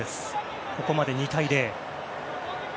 ここまで２対０。